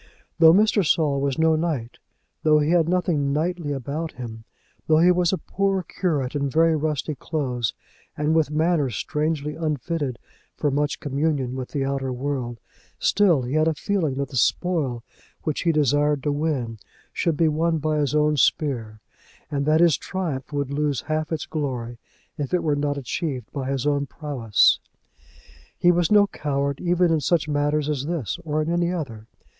Though Mr. Saul was no knight, though he had nothing knightly about him, though he was a poor curate in very rusty clothes and with manner strangely unfitted for much communion with the outer world, still he had a feeling that the spoil which he desired to win should be won by his own spear, and that his triumph would lose half its glory if it were not achieved by his own prowess. He was no coward, either in such matter as this or in any other.